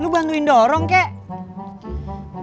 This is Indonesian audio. lu bantuin dorong kek